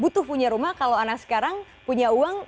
butuh punya rumah kalau anak sekarang punya uang